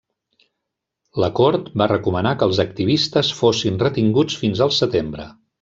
La cort va recomanar que els activistes fossin retinguts fins al setembre.